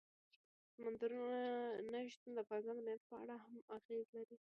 سمندر نه شتون د افغانستان د امنیت په اړه هم اغېز لري.